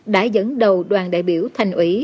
đã dẫn đầu đoàn đại biểu thành ủy